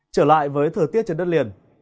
trở lại với thời tiết trên đất liền